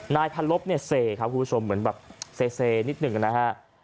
นายพันลบเนี่ยเซครับคุณผู้ชมเหมือนแบบเซนิดหนึ่งนะฮะ